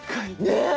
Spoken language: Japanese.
ねえ？